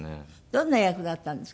どんな役だったんですか？